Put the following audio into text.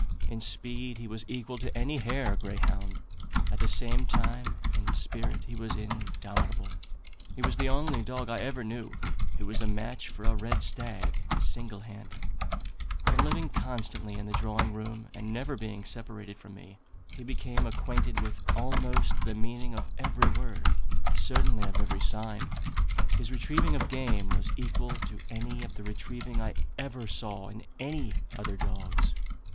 In speed he was equal to any hare greyhound; at the same time, in spirit he was indomitable. He was the only dog I ever knew who was a match for a red stag, single handed. From living constantly in the drawing room, and never being separated from me, he became acquainted with almost the meaning of every word certainly of every sign. His retrieving of game was equal to any of the retrieving I ever saw in any other dogs.